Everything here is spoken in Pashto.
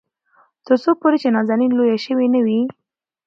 تر څو پورې چې نازنين لويه شوې نه وي.